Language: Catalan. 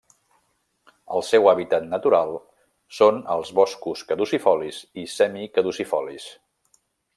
El seu hàbitat natural són els boscos caducifolis i semicaducifolis.